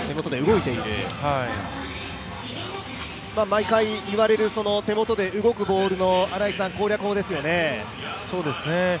毎回言われる、手元で動くボールの攻略法ですよね。